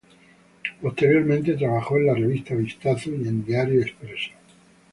Posteriormente trabajó en la revista Vistazo y en diario Expreso.